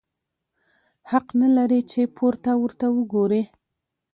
حق نه لرې چي پورته ورته وګورې!